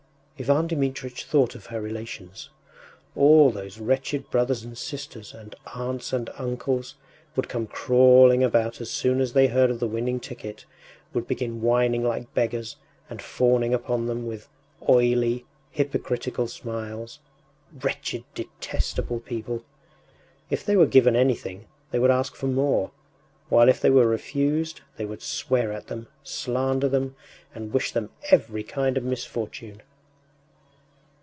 ” Ivan Dmitritch thought of her relations. All those wretched brothers and sisters and aunts and uncles would come crawling about as soon as they heard of the winning ticket, would begin whining like beggars, and fawning upon them with oily, hypocritical smiles. Wretched, detestable people! If they were given anything, they would ask for more; while if they were refused, they would swear at them, slander them, and wish them every kind of misfortune.